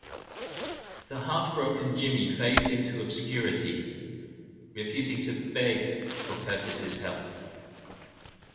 The heartbroken Jimmy fades into obscurity, refusing to "beg" for Curtis' help.